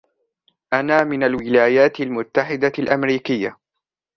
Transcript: أنا من الولايات المتحدة الأمريكية.